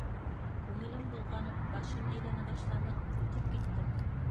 Күңелем болғанып, башым әйләнә башланы, ҡурҡып киттем.